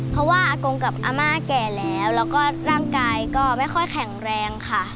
เพราะว่าอากงกับอาม่าแก่แล้วแล้วก็ร่างกายก็ไม่ค่อยแข็งแรงค่ะ